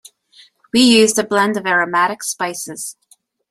We used a blend of aromatic spices.